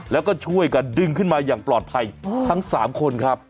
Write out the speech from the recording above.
แล้วก็ช่วยกันดึงขึ้นมาอย่างปลอดภัยทั้ง๓คนครับ